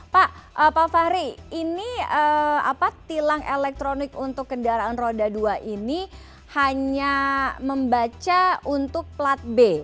pak fahri ini tilang elektronik untuk kendaraan roda dua ini hanya membaca untuk plat b